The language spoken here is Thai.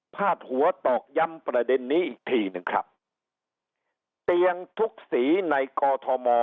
พาดหัวตอกย้ำประเด็นนี้อีกทีหนึ่งครับเตียงทุกสีในกอทม